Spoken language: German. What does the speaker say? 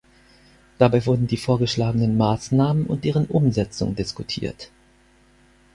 Dabei wurden die vorgeschlagenen Maßnahmen und deren Umsetzung diskutiert.